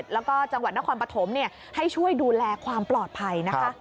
แล้วก็จังหวัดนครปฐมให้ช่วยดูแลความปลอดภัยนะคะ